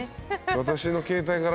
私の携帯から。